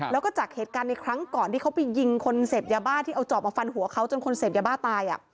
แล้วก็จากเหตุการณ์ในครั้งก่อนที่เขาไปยิงคนเสพยาบ้าที่เอาจอบมาฟันหัวเขาจนคนเสพยาบ้าตาย